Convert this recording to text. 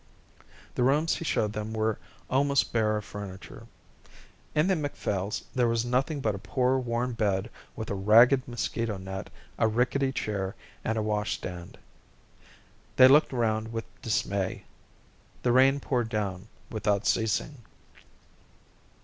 The rooms he showed them were almost bare of furniture. In the Macphails' there was nothing but a poor, worn bed with a ragged mosquito net, a rickety chair, and a washstand. They looked round with dismay. The rain poured down without ceasing.